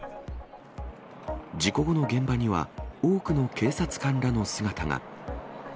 事故後の現場には、多くの警察官らの姿が。